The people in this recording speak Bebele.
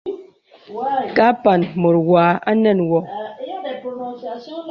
Ka mpàŋ mùt wa nə̀n wɔ.